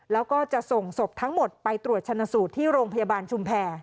แล้วก็จะส่งศพทั้งหมดไปตรวจชนะสูตรที่โรงพยาบาลชุมแพร